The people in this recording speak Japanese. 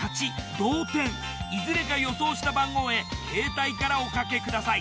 同点いずれか予想した番号へケータイからお掛けください。